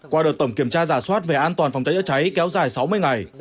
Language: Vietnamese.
qua đợt tổng kiểm tra giả soát về an toàn phòng cháy chữa cháy kéo dài sáu mươi ngày